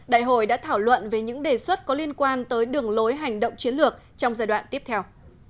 đại hội đã thảo luận về những đề xuất có liên quan tới đường lối hành động chiến lược trong giai đoạn tiếp theo